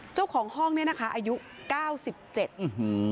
เจ้าของห้องเนี้ยนะคะอายุเก้าสิบเจ็ดอื้อหือ